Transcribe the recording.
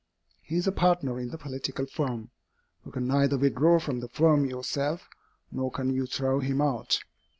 He is a partner in the political firm. You can neither withdraw from the firm yourself, nor can you throw him out.